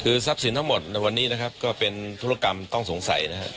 คือทรัพย์สินทั้งหมดในวันนี้นะครับก็เป็นธุรกรรมต้องสงสัยนะครับ